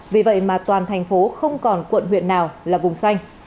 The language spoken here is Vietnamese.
vì vậy mà toàn thành phố không còn quận huyện nào là vùng xanh